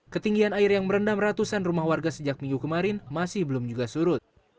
ketinggian air yang merendam ratusan rumah warga sejak minggu kemarin masih belum juga surut